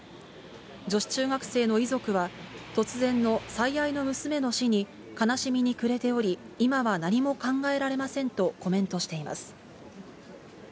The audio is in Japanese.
女子中学生の遺族は、突然の最愛の娘の死に悲しみに暮れており、今は何も考えられませんとコメントしています。